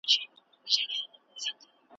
چي څه ګټم هغه د وچي ډوډۍ نه بسیږي .